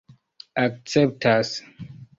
akceptas